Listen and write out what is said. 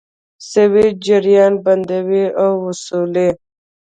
سویچ جریان بندوي او وصلوي.